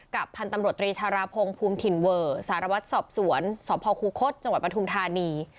พันธุ์ตำรวจตรีธาราพงศ์ภูมิถิ่นเวอร์สารวัตรสอบสวนสพคูคศจังหวัดปทุมธานี